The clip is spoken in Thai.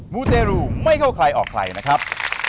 มูเตรูไม่เข้าใครออกใครนะครับ